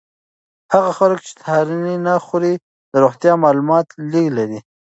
هغه خلک چې سهارنۍ نه خوري د روغتیا مالومات لږ لري.